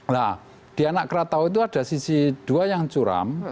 nah di anak kratau itu ada sisi dua yang curam